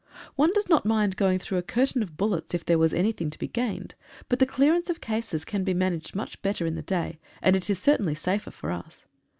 One does not mind going through a curtain of bullets if there was anything to be gained, but the clearance of cases can be managed much better in the day, and it is certainly safer for us.